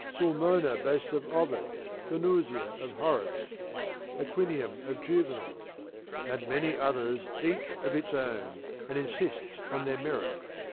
Sulmona boasts of Ovid, Venusia of Horace, Aquinium of Juvenal, and many others each of its own, and insist on their merit.